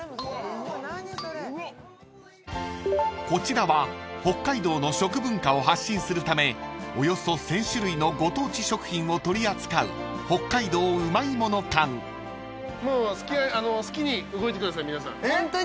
［こちらは北海道の食文化を発信するためおよそ１，０００種類のご当地食品を取り扱う北海道うまいもの館］えっ！？